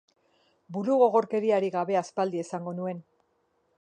Burugogorkeriarik gabe aspaldi esango nuen.